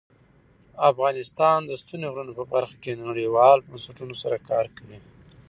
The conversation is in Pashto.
افغانستان د ستوني غرونه په برخه کې نړیوالو بنسټونو سره کار کوي.